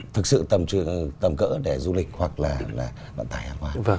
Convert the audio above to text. thực sự tầm cỡ để du lịch hoặc là vận tải hạt hoa